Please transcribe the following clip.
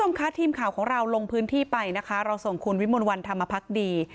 คุณผู้ชมคะทีมข่าวของเราลงพื้นที่ไปนะคะเราส่งคุณวิมลวันธรรมพักดี